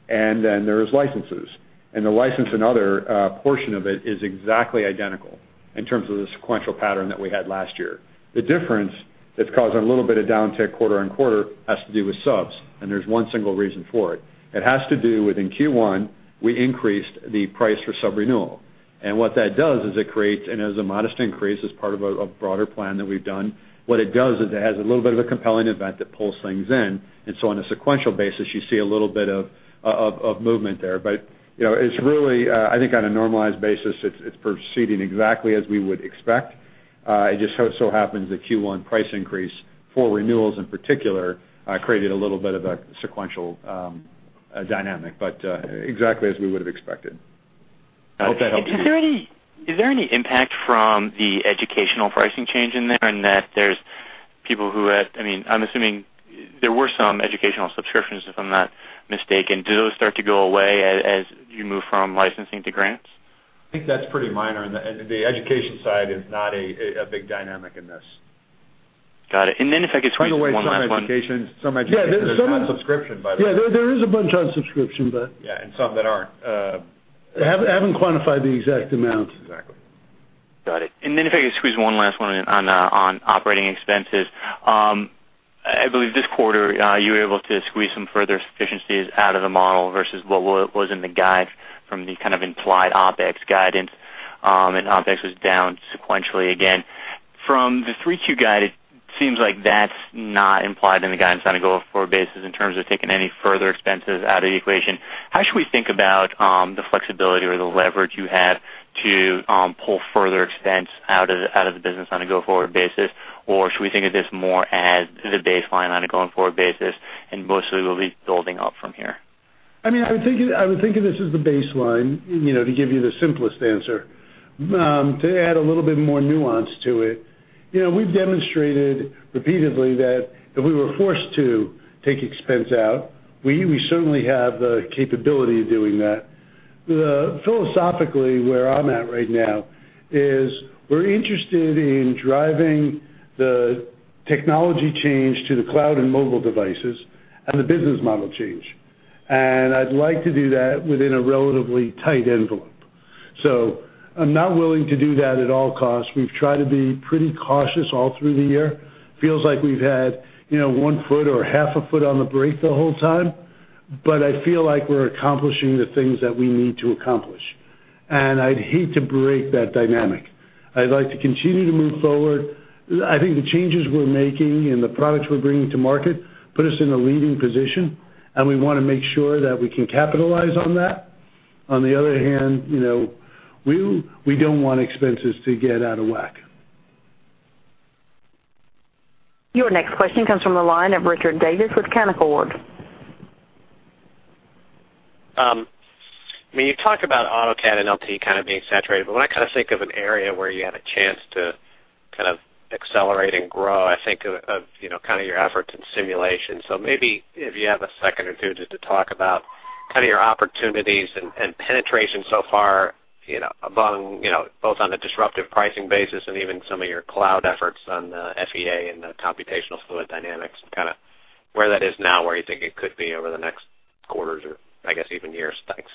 then there's licenses. The license and other portion of it is exactly identical in terms of the sequential pattern that we had last year. The difference that's causing a little bit of downtick quarter-on-quarter has to do with subs, and there's one single reason for it. It has to do with in Q1, we increased the price for sub renewal. What that does is it creates. It was a modest increase as part of a broader plan that we've done. It has a little bit of a compelling event that pulls things in. On a sequential basis, you see a little bit of movement there. It's really, I think on a normalized basis, it's proceeding exactly as we would expect. It just so happens that Q1 price increase for renewals in particular, created a little bit of a sequential dynamic, but exactly as we would've expected. Hope that helps. Is there any impact from the educational pricing change in there and that there's people who had--? I'm assuming there were some educational subscriptions, if I'm not mistaken. Do those start to go away as you move from licensing to grants? I think that's pretty minor. The education side is not a big dynamic in this. Got it. If I could squeeze one last one. By the way, some education is on subscription, by the way. Yeah, there is a bunch on subscription. Yeah, some that aren't. We haven't quantified the exact amounts. Exactly. Got it. If I could squeeze one last one in on operating expenses. I believe this quarter, you were able to squeeze some further efficiencies out of the model versus what was in the guide from the kind of implied OpEx guidance. OpEx was down sequentially again. From the 3Q guide, it seems like that's not implied in the guidance on a go-forward basis in terms of taking any further expenses out of the equation. How should we think about the flexibility or the leverage you have to pull further expense out of the business on a go-forward basis? Or should we think of this more as the baseline on a going-forward basis and mostly we'll be building up from here? I would think of this as the baseline, to give you the simplest answer. To add a little bit more nuance to it, we've demonstrated repeatedly that if we were forced to take expense out, we certainly have the capability of doing that. Philosophically, where I'm at right now is we're interested in driving the technology change to the cloud and mobile devices and the business model change. I'd like to do that within a relatively tight envelope. I'm not willing to do that at all costs. We've tried to be pretty cautious all through the year. Feels like we've had one foot or half a foot on the brake the whole time. I feel like we're accomplishing the things that we need to accomplish. I'd hate to break that dynamic. I'd like to continue to move forward. I think the changes we're making and the products we're bringing to market put us in a leading position, and we want to make sure that we can capitalize on that. On the other hand, we don't want expenses to get out of whack. Your next question comes from the line of Richard Davis with Canaccord. You talk about AutoCAD and LT kind of being saturated. When I think of an area where you have a chance to accelerate and grow, I think of your efforts in simulation. Maybe if you have a second or two just to talk about your opportunities and penetration so far, both on the disruptive pricing basis and even some of your cloud efforts on the FEA and the computational fluid dynamics, where that is now, where you think it could be over the next quarters or I guess even years. Thanks.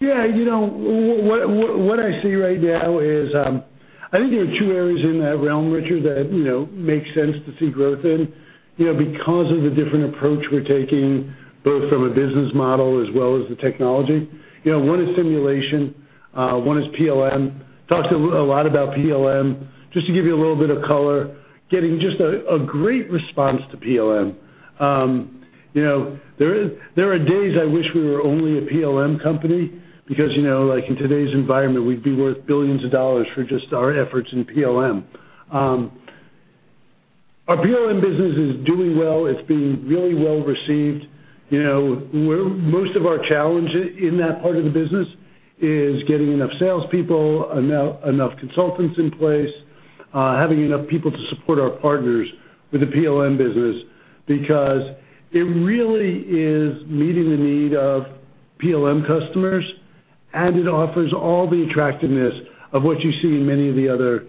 Yeah. What I see right now is, I think there are two areas in that realm, Richard, that make sense to see growth in, because of the different approach we're taking, both from a business model as well as the technology. One is simulation, one is PLM. Talked a lot about PLM. Just to give you a little bit of color, getting just a great response to PLM. There are days I wish we were only a PLM company because, in today's environment, we'd be worth billions of dollars for just our efforts in PLM. Our PLM business is doing well. It's being really well-received. Most of our challenge in that part of the business is getting enough salespeople, enough consultants in place, having enough people to support our partners with the PLM business, because it really is meeting the need of PLM customers, and it offers all the attractiveness of what you see in many of the other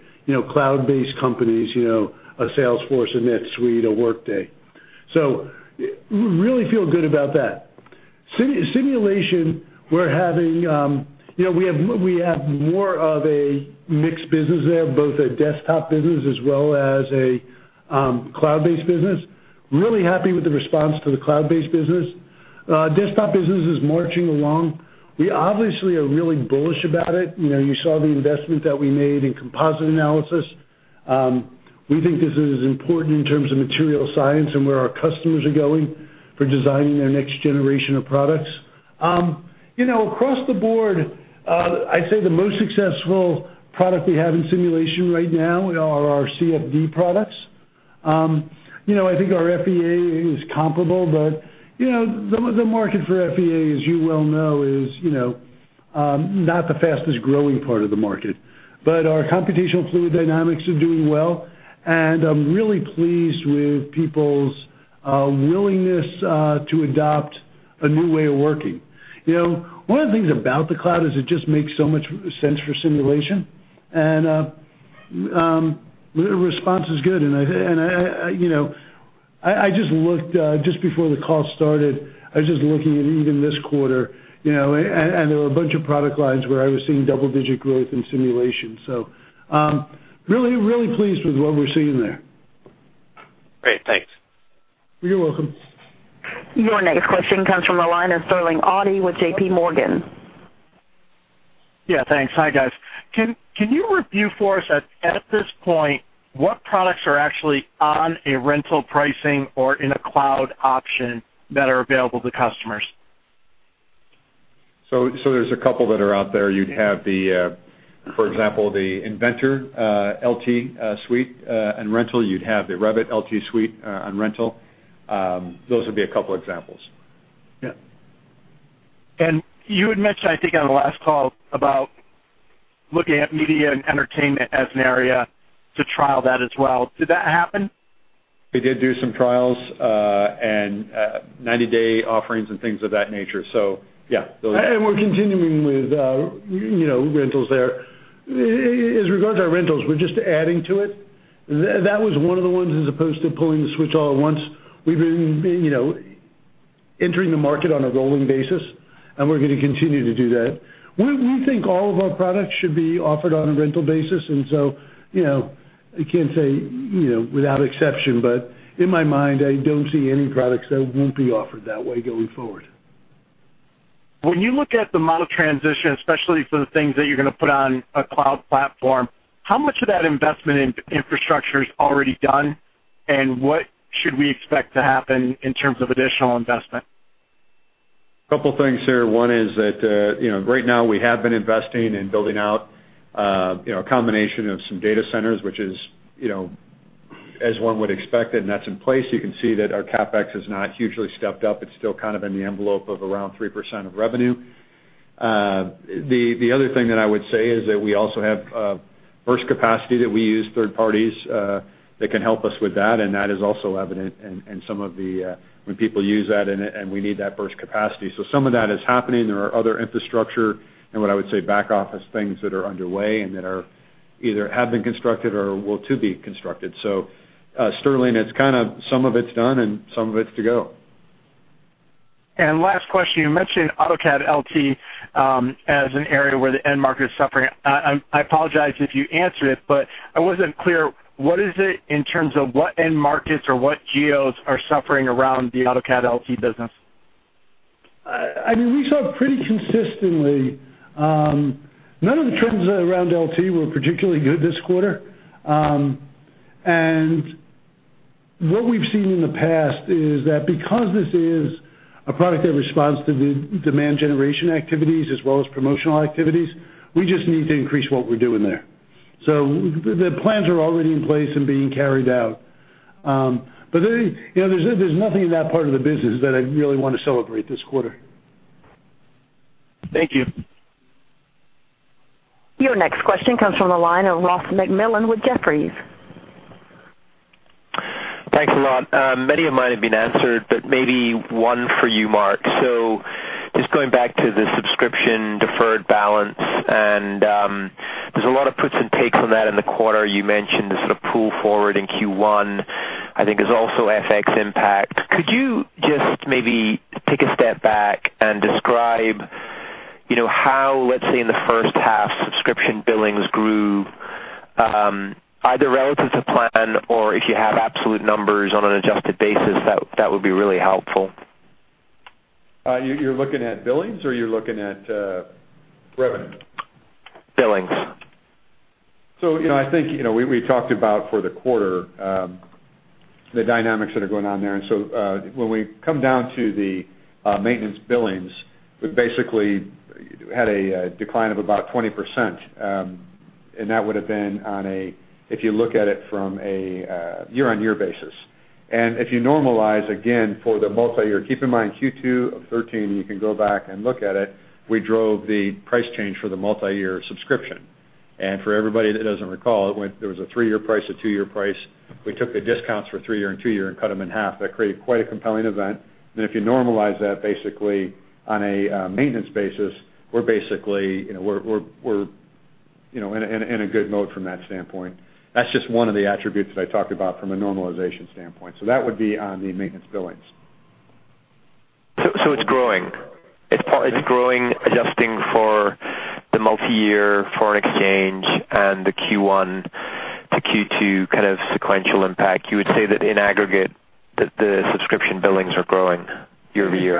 cloud-based companies, a Salesforce, a NetSuite, a Workday. We really feel good about that. Simulation, we have more of a mixed business there, both a desktop business as well as a cloud-based business. Really happy with the response to the cloud-based business. Desktop business is marching along. We obviously are really bullish about it. You saw the investment that we made in composite analysis. We think this is important in terms of material science and where our customers are going for designing their next generation of products. Across the board, I'd say the most successful product we have in simulation right now are our CFD products. I think our FEA is comparable, the market for FEA, as you well know, is not the fastest-growing part of the market. Our computational fluid dynamics are doing well. I'm really pleased with people's willingness to adopt a new way of working. One of the things about the cloud is it just makes so much sense for simulation, the response is good. I just looked, just before the call started, I was just looking at even this quarter, there were a bunch of product lines where I was seeing double-digit growth in simulation. Really pleased with what we're seeing there. Great. Thanks. You're welcome. Your next question comes from the line of Sterling Auty with JPMorgan. Yeah, thanks. Hi, guys. Can you review for us, at this point, what products are actually on a rental pricing or in a cloud option that are available to customers? There's a couple that are out there. You'd have, for example, the Inventor LT Suite on rental. You'd have the Revit LT Suite on rental. Those would be a couple examples. Yeah. You had mentioned, I think on the last call, about looking at media and entertainment as an area to trial that as well. Did that happen? We did do some trials, and 90-day offerings and things of that nature. Yeah. We're continuing with rentals there. As regards our rentals, we're just adding to it. That was one of the ones, as opposed to pulling the switch all at once. We've been entering the market on a rolling basis, and we're going to continue to do that. We think all of our products should be offered on a rental basis, I can't say without exception, but in my mind, I don't see any products that won't be offered that way going forward. When you look at the model transition, especially for the things that you're going to put on a cloud platform, how much of that investment in infrastructure is already done, and what should we expect to happen in terms of additional investment? A couple of things here. One is that right now, we have been investing in building out a combination of some data centers, which is as one would expect, and that's in place. You can see that our CapEx has not hugely stepped up. It's still kind of in the envelope of around 3% of revenue. The other thing that I would say is that we also have burst capacity that we use third parties that can help us with that, and that is also evident in when people use that, and we need that burst capacity. Some of that is happening. There are other infrastructure and what I would say back office things that are underway and that either have been constructed or are to be constructed. Sterling, some of it's done and some of it's to go. Last question, you mentioned AutoCAD LT as an area where the end market is suffering. I apologize if you answered it, but I wasn't clear. What is it in terms of what end markets or what geos are suffering around the AutoCAD LT business? We saw pretty consistently, none of the trends around LT were particularly good this quarter. What we've seen in the past is that because this is a product that responds to the demand generation activities as well as promotional activities, we just need to increase what we're doing there. The plans are already in place and being carried out. There's nothing in that part of the business that I really want to celebrate this quarter. Thank you. Your next question comes from the line of Ross MacMillan with Jefferies. Thanks a lot. Many of mine have been answered, but maybe one for you, Mark. Just going back to the subscription deferred balance, and there's a lot of puts and takes on that in the quarter. You mentioned the sort of pull forward in Q1, I think there's also FX impact. Could you just maybe take a step back and describe how, let's say, in the first half, subscription billings grew, either relative to plan or if you have absolute numbers on an adjusted basis, that would be really helpful. You're looking at billings or you're looking at revenue? Billings. I think we talked about for the quarter, the dynamics that are going on there. When we come down to the maintenance billings, we've basically had a decline of about 20%. That would have been on a, if you look at it from a year-on-year basis. If you normalize again for the multi-year, keep in mind Q2 of 2013, you can go back and look at it. We drove the price change for the multi-year subscription. For everybody that doesn't recall, there was a three-year price, a two-year price. We took the discounts for three-year and two-year and cut them in half. That created quite a compelling event. If you normalize that basically on a maintenance basis, we're basically in a good mode from that standpoint. That's just one of the attributes that I talked about from a normalization standpoint. That would be on the maintenance billings. It's growing. It's growing, adjusting for the multi-year foreign exchange and the Q1 to Q2 kind of sequential impact. You would say that in aggregate, the subscription billings are growing year-over-year.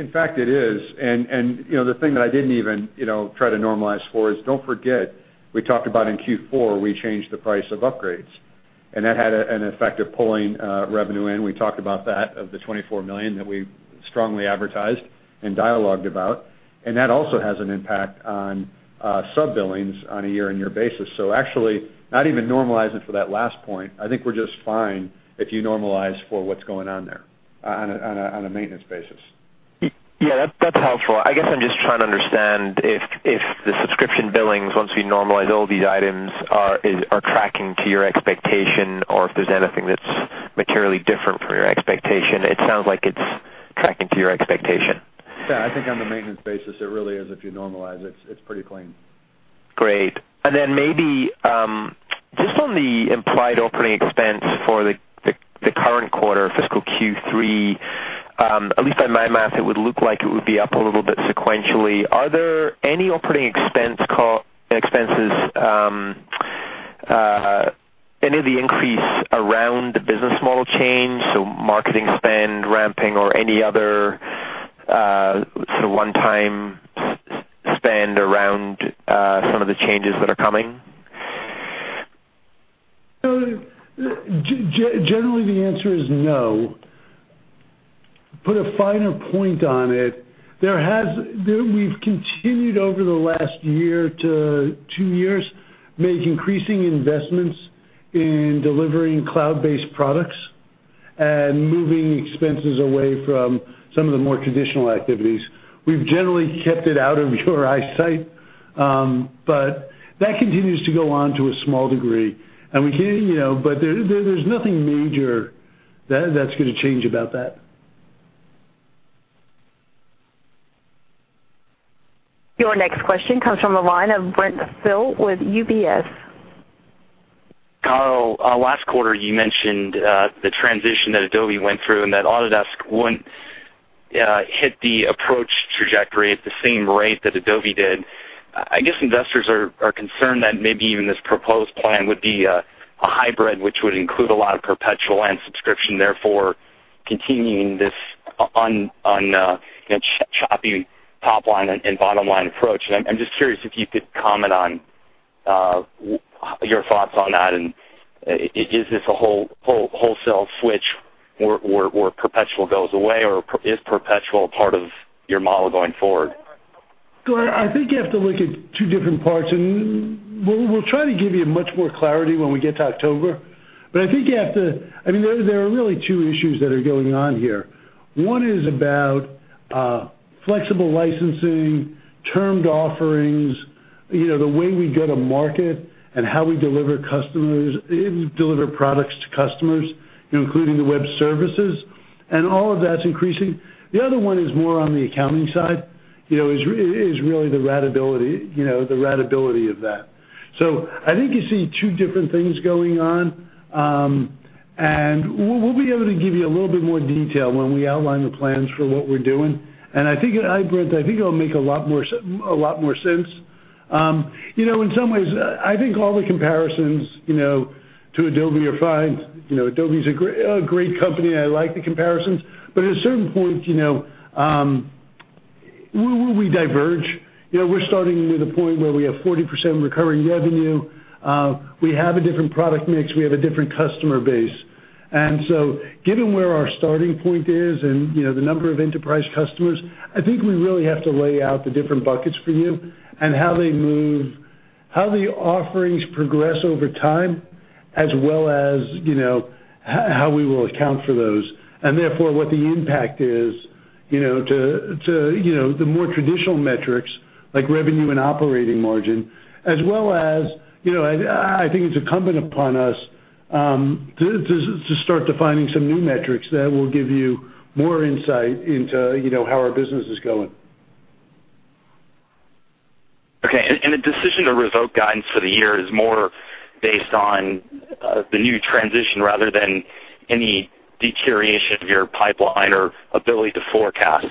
In fact, it is. The thing that I didn't even try to normalize for is don't forget, we talked about in Q4, we changed the price of upgrades. That had an effect of pulling revenue in. We talked about that of the $24 million that we strongly advertised and dialogued about. That also has an impact on sub-billings on a year-on-year basis. Actually, not even normalizing for that last point, I think we're just fine if you normalize for what's going on there on a maintenance basis. Yeah. That's helpful. I guess I'm just trying to understand if the subscription billings, once we normalize all these items, are tracking to your expectation or if there's anything that's materially different from your expectation. It sounds like it's tracking to your expectation. Yeah, I think on the maintenance basis, it really is if you normalize it. It's pretty clean. Then maybe just on the implied operating expense for the current quarter, fiscal Q3, at least on my math, it would look like it would be up a little bit sequentially. Are there any operating expense costs, any of the increase around the business model change? Marketing spend ramping or any other sort of one-time spend around some of the changes that are coming? Generally, the answer is no. Put a finer point on it. We've continued over the last year to two years, make increasing investments in delivering cloud-based products and moving expenses away from some of the more traditional activities. We've generally kept it out of your eyesight. That continues to go on to a small degree. There's nothing major that's going to change about that. Your next question comes from the line of Brent Thill with UBS. Carl, last quarter you mentioned the transition that Adobe went through and that Autodesk wouldn't hit the approach trajectory at the same rate that Adobe did. I guess investors are concerned that maybe even this proposed plan would be a hybrid which would include a lot of perpetual and subscription, therefore continuing this on choppy top line and bottom line approach. I'm just curious if you could comment on your thoughts on that, and is this a wholesale switch where perpetual goes away, or is perpetual part of your model going forward? I think you have to look at two different parts. We'll try to give you much more clarity when we get to October. I think there are really two issues that are going on here. One is about flexible licensing, termed offerings, the way we go to market and how we deliver products to customers, including the web services. All of that's increasing. The other one is more on the accounting side, is really the ratability of that. I think you see two different things going on. We'll be able to give you a little bit more detail when we outline the plans for what we're doing. I think it'll make a lot more sense. In some ways, I think all the comparisons to Adobe are fine. Adobe's a great company and I like the comparisons. At a certain point, we diverge. We're starting to the point where we have 40% recurring revenue. We have a different product mix, we have a different customer base. Given where our starting point is and the number of enterprise customers, I think we really have to lay out the different buckets for you and how they move, how the offerings progress over time, as well as how we will account for those. Therefore, what the impact is to the more traditional metrics, like revenue and operating margin, as well as, I think it's incumbent upon us to start defining some new metrics that will give you more insight into how our business is going. Okay. The decision to revoke guidance for the year is more based on the new transition rather than any deterioration of your pipeline or ability to forecast?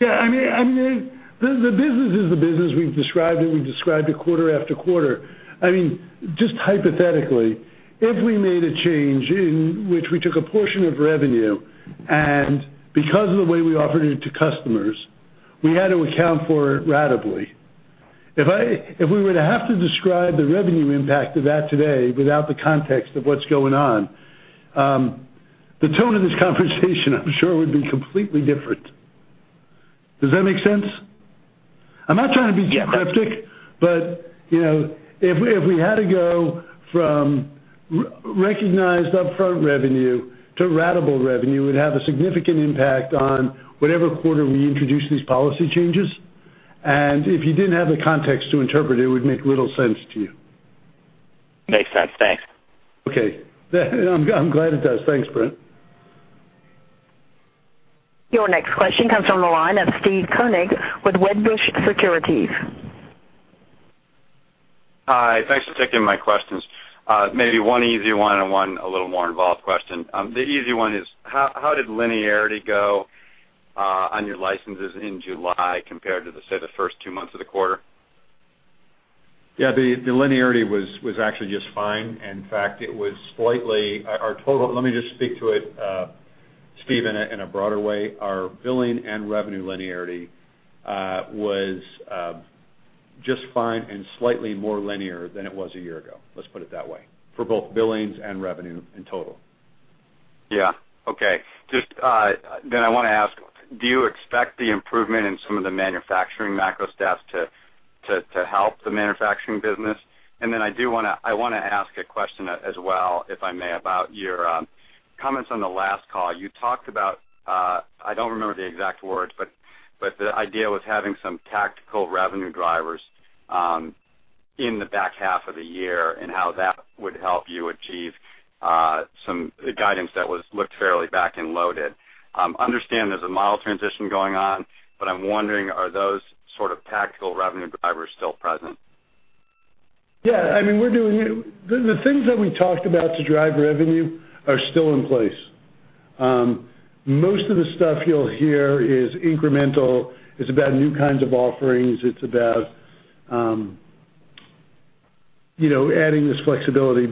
Yeah. The business is the business we've described, and we've described it quarter after quarter. Just hypothetically, if we made a change in which we took a portion of revenue, and because of the way we offered it to customers, we had to account for it ratably. If we were to have to describe the revenue impact of that today without the context of what's going on, the tone of this conversation, I'm sure, would be completely different. Does that make sense? I'm not trying to be cryptic. Yeah. If we had to go from recognized upfront revenue to ratable revenue, it would have a significant impact on whatever quarter we introduce these policy changes. If you didn't have the context to interpret, it would make little sense to you. Makes sense. Thanks. Okay. I'm glad it does. Thanks, Brent. Your next question comes from the line of Steve Koenig with Wedbush Securities. Hi. Thanks for taking my questions. Maybe one easy one and one a little more involved question. The easy one is, how did linearity go on your licenses in July compared to, say, the first two months of the quarter? Yeah, the linearity was actually just fine. In fact, let me just speak to it, Steve, in a broader way. Our billing and revenue linearity was just fine and slightly more linear than it was a year ago. Let's put it that way. For both billings and revenue in total. Yeah. Okay. I want to ask, do you expect the improvement in some of the manufacturing macro stats to help the manufacturing business? I want to ask a question as well, if I may, about your comments on the last call. You talked about, I don't remember the exact words, but the idea was having some tactical revenue drivers in the back half of the year, and how that would help you achieve some guidance that was looked fairly back and loaded. Understand there's a model transition going on, but I'm wondering, are those sort of tactical revenue drivers still present? Yeah. The things that we talked about to drive revenue are still in place. Most of the stuff you'll hear is incremental, it's about new kinds of offerings, it's about adding this flexibility.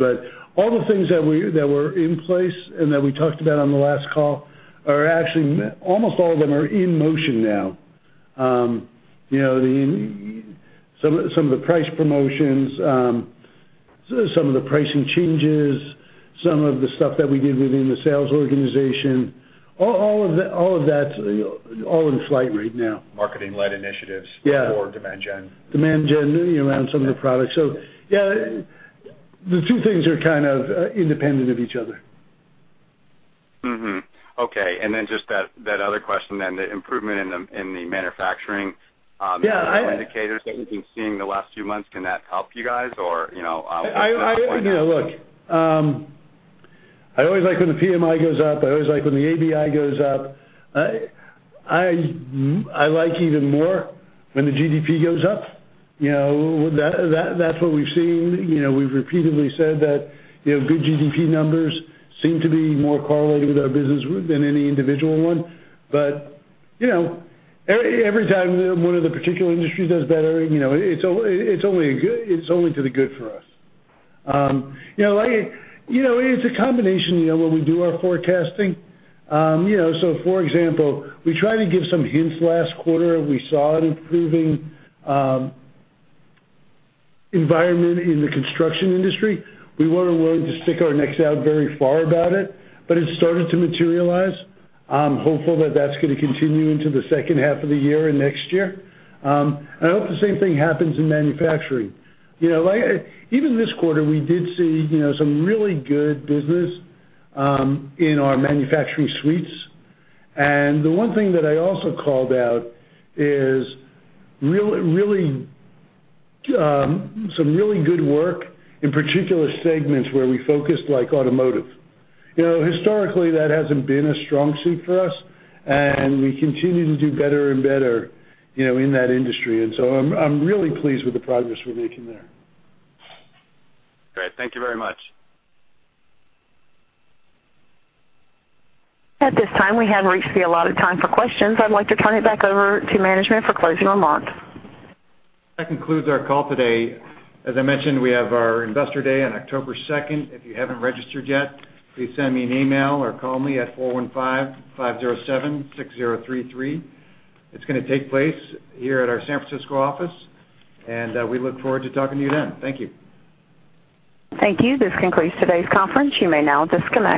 All the things that were in place and that we talked about on the last call, almost all of them are in motion now. Some of the price promotions, some of the pricing changes, some of the stuff that we did within the sales organization, all of that's all in flight right now. Marketing-led initiatives- Yeah or demand gen. Demand gen around some of the products. Yeah, the two things are kind of independent of each other. Mm-hmm. Okay, just that other question, the improvement in the manufacturing- Yeah indicators that we've been seeing the last few months. Can that help you guys? What's your point there? Look. I always like when the PMI goes up, I always like when the ABI goes up. I like even more when the GDP goes up. That's what we've seen. We've repeatedly said that good GDP numbers seem to be more correlated with our business than any individual one. Every time one of the particular industries does better, it's only to the good for us. It's a combination when we do our forecasting. For example, we tried to give some hints last quarter. We saw an improving environment in the construction industry. We weren't willing to stick our necks out very far about it, but it started to materialize. I'm hopeful that that's going to continue into the second half of the year and next year. I hope the same thing happens in manufacturing. Even this quarter, we did see some really good business in our manufacturing suites. The one thing that I also called out is some really good work, in particular segments where we focused, like automotive. Historically, that hasn't been a strong suit for us, we continue to do better and better in that industry. So I'm really pleased with the progress we're making there. Great. Thank you very much. At this time, we have reached the allotted time for questions. I'd like to turn it back over to management for closing remarks. That concludes our call today. As I mentioned, we have our investor day on October 2nd. If you haven't registered yet, please send me an email or call me at 415-507-6033. It's going to take place here at our San Francisco office, we look forward to talking to you then. Thank you. Thank you. This concludes today's conference. You may now disconnect.